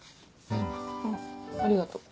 あっありがとう。